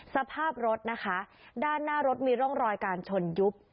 สภาพรถนะคะด้านหน้ารถมีร่องรอยการชนยุบ